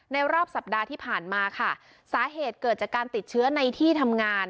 รอบสัปดาห์ที่ผ่านมาค่ะสาเหตุเกิดจากการติดเชื้อในที่ทำงาน